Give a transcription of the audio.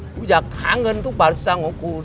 กูอยากหาเงินทุกบาทสั่งของกู